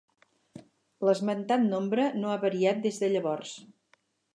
L'esmentat nombre no ha variat des de llavors.